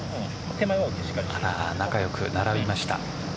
仲良く並びました。